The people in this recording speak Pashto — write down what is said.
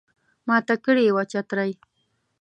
ماته کړي وه چترۍ